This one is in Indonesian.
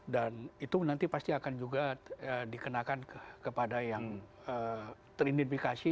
dan itu nanti pasti akan juga dikenakan kepada yang terindifikasi